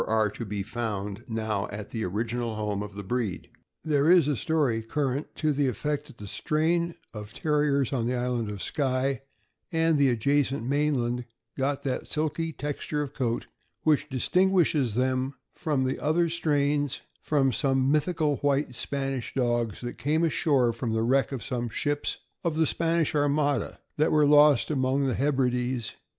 ire to be found now at the original home of the breed. There is a story current to the effect that the strain of Terriers on the island of Skye, and the adjacent mainland, got that silky texture of coat which distinguishes them from the other strains from some mythical white Spanish dogs that came ashore from the wreck of some ships of the Spanisli armada that were lost among the Hebrides.